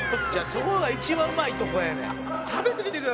「そこが一番うまいとこやねん」